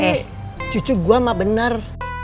eh cucu gue mah bener